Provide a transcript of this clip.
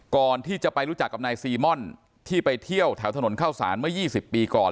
ก่อนที่จะไปรู้จักกับนายซีม่อนที่ไปเที่ยวแถวถนนเข้าสารเมื่อ๒๐ปีก่อน